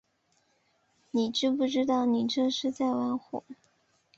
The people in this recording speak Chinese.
你知不知道你这是在玩火